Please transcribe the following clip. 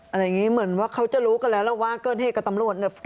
อะไรอย่างนี้เหมือนว่าเขาจะรู้กันแล้วแล้วว่าเกินเหตุกับตำรวจเนี่ย